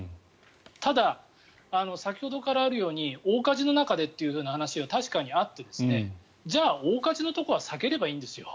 ただ、先ほどからあるように大火事の中でという話が確かにあってじゃあ、大火事のところは避ければいいんですよ。